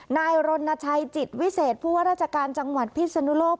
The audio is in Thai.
นายรณชัยจิตวิเศษผู้ว่าราชการจังหวัดพิศนุโลก